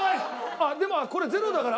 あっでもこれ０だから。